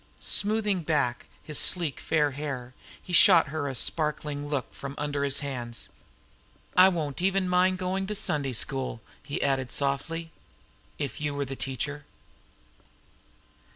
Smoothing back his sleek fair hair, he shot her a sparkling look from under his hands. "I won't," he added softly, "even mind going to Sunday School, if you were the teacher."